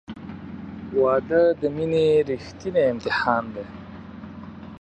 • واده د مینې ریښتینی امتحان دی.